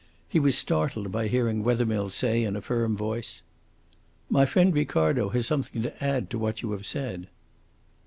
He was startled by hearing Wethermill say, in a firm voice: "My friend Ricardo has something to add to what you have said."